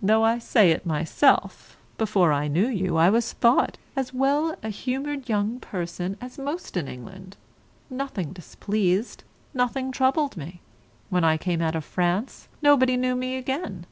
Though I say it myself, before I knew you I was thought as well an humoured young person as most in England; nothing displeased, nothing troubled me. When I came out of France, nobody knew me again.